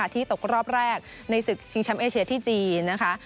ที่ตกรอบแรกในศึกชิงแชมป์เอเชียที่จีนนะคะ